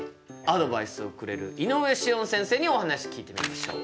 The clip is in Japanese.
アドバイスをくれる井上志音先生にお話聞いてみましょう。